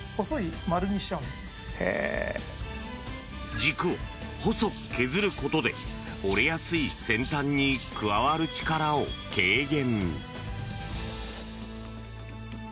軸を細く削ることで折れやすい先端に加わる力を軽減。